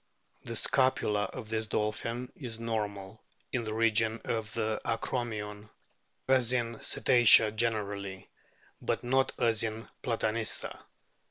The scapula of this dolphin is normal in the origin of the acromion, as in Cetacea generally, but not as in Platanista.